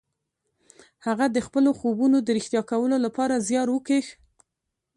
هغه د خپلو خوبونو د رښتيا کولو لپاره زيار وکيښ.